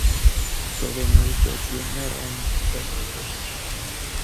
Slovenia este o pionieră a unificării europene.